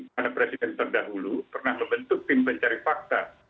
karena presiden terdahulu pernah membentuk tim pencari fakta